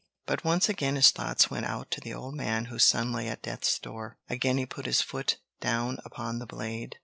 But once again his thoughts went out to the old man whose son lay at death's door. Again he put his foot down upon the blade.